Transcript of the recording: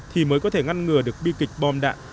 thì mới có thể ngăn ngừa được bi kịch bom đạn